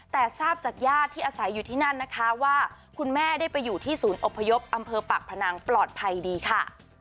แต่ทราบจากญาติที่อาศัยอยู่ที่นั่นนะคะว่าคุณแม่ได้ไปอยู่ที่ศูนย์อพยพอำเภอปากพนังปลอดภัยดีค่ะ